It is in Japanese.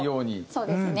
そうですね。